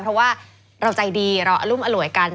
เพราะว่าเราใจดีเราอรุมอร่วยกัน